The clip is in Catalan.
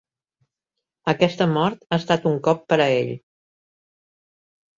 Aquesta mort ha estat un cop per a ell.